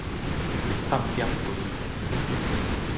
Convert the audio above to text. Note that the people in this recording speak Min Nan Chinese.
探險隊